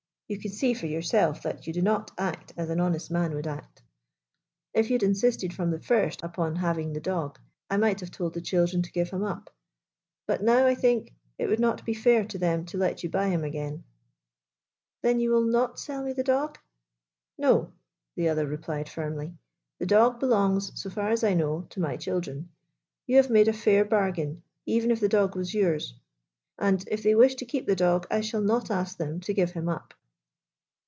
You can see for yourself that you do not act as an honest man would act. If you had insisted from the first upon having the dog, I might have told the children to give him up. But now I think it would not be fair to them to let you buy him again." " Then you will not sell me the dog ?"" No," the other replied firmly. " The dog belongs, so far as I know, to my children. You have made a fair bargain — even if the dog was yours, and, if they wish to keep the dog, I shall not ask them to give him up."